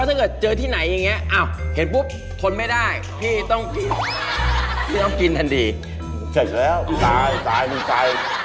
อ้าพี่ไม่พูดเล่นไม่เชื่อ